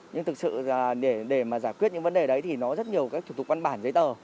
nhưng thực sự để giải quyết những vấn đề đấy thì nó rất nhiều kiểu tục văn bản giấy tờ